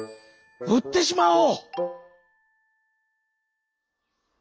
うってしまおう」。